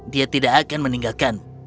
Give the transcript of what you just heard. dia tidak akan meninggalkan